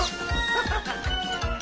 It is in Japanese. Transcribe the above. ハハハハ！